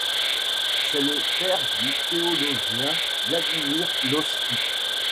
C'est le père du théologien Vladimir Lossky.